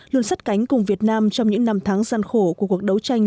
luôn sắt cánh cùng việt nam trong những năm tháng gian khổ của cuộc đấu tranh